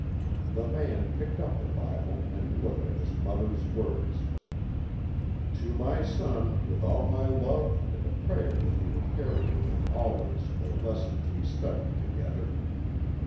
The man picked up the Bible and looked at his mother's words: "To my son, with all my love and a prayer that he will carry with him always the lessons we studied together."